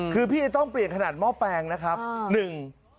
คือพี่จะต้องเปลี่ยนขนาดหม้อแปลงนะครับหนึ่ง